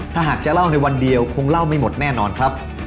ถ้าหากจะเล่าในวันเดียวคงเล่าไม่หมดแน่นอนครับ